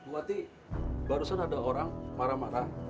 berarti barusan ada orang marah marah